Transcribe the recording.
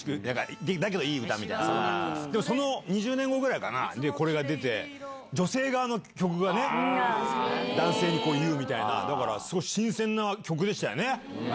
そんな、その２０年後ぐらいかな、これが出て、女性側の曲がね、男性に言うみたいな、だからすごい新鮮な曲でしたよね。